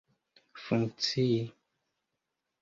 funkcii